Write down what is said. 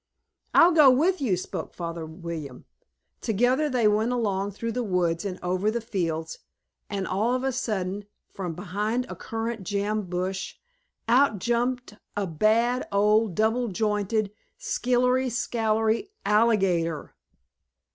"I'll go with you," spoke Father William. Together they went along through the woods and over the fields and, all of a sudden, from behind a currant jam bush, out jumped a bad, old, double jointed skillery scalery alligator.